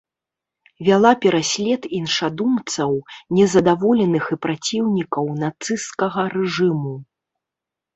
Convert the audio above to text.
Вяла пераслед іншадумцаў, незадаволеных і праціўнікаў нацысцкага рэжыму.